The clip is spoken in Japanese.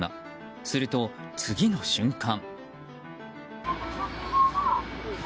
すると、次の瞬間。